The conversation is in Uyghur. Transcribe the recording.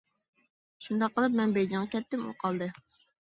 شۇنداق قىلىپ مەن بېيجىڭغا كەتتىم، ئۇ قالدى.